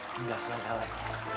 tinggal selangkah lagi